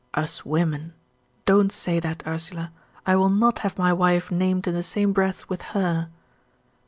"'Us women!' Don't say that, Ursula. I will not have my wife named in the same breath with HER."